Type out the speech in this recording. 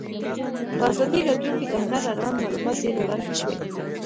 په ازادي راډیو کې د هنر اړوند معلومات ډېر وړاندې شوي.